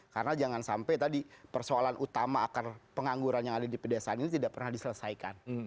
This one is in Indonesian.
karena jangan sampai tadi persoalan utama akan pengangguran yang ada di pedesaan ini tidak pernah diselesaikan